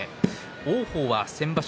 王鵬は先場所